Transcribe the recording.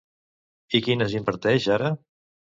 I quines imparteix ara?